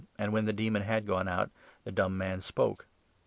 and, when the demon had gone out, the dumb man spoke.